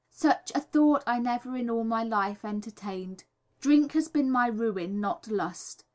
Such a thought I never in all my life entertained. Drink has been my ruin, not lust.